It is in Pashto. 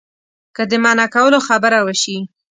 که د منع کولو خبره وشي.